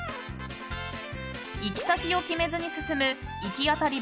行き先を決めずに進む行き当たり